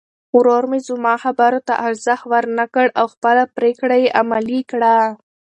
ورور مې زما خبرو ته ارزښت ورنه کړ او خپله پرېکړه یې عملي کړه.